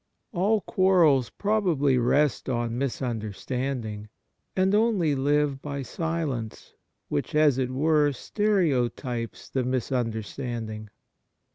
All quarrels probably rest on misunderstanding, and only live by silence, which, as it were, stereotypes the misunderstanding.